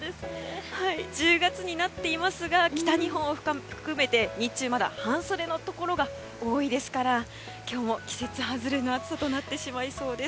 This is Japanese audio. １０月になっていますが北日本を含めて日中、まだ半袖のところが多いですから今日も季節外れの暑さとなってしまいそうです。